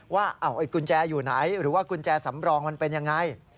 ว่ากุญแจอยู่ไหนหรือว่ากุญแจสำรองมันเป็นยังไง